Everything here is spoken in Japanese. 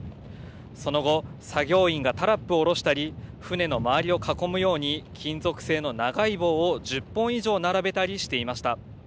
その後、作業員がタラップを下ろしたり、船の周りを囲むように、金属製の長い棒を１０本以上並べたりしていました。